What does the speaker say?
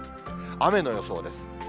雨の予想です。